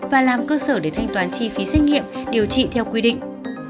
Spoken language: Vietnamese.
và làm cơ sở để thanh toán chi phí xét nghiệm điều trị theo quy định